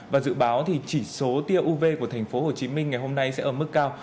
và dự báo thì chỉ số tia uv của tp hcm ngày hôm nay sẽ ở mức cao